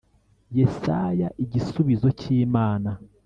Yesaya igisubizo cy Imana